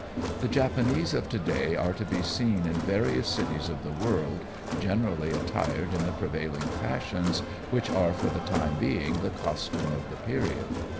The Japanese of to day are to be seen in various cities of the world, generally attired in the prevailing fashions which are for the time being the costume of the period.